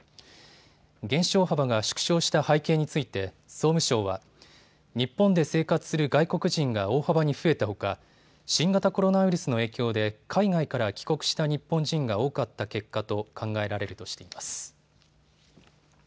減少幅が縮小した背景について総務省は日本で生活する外国人が大幅に増えたほか新型コロナウイルスの影響で海外から帰国した日本人が多かった結果と考えられるとしています。